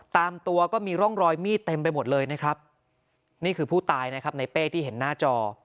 ตามตัวก็มีร่องรอยมีดเต็มไปหมดเลยนะครับนี่คือผู้ตายนะครับในเป้ที่เห็นหน้าจอ